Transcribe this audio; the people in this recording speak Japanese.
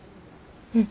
うん。